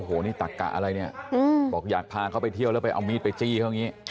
โอ้โหนี่ตักกะอะไรเนี่ยบอกอยากพาเขาไปเที่ยวแล้วไปเอามีดไปจี้เขาอย่างนี้